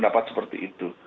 dapat seperti itu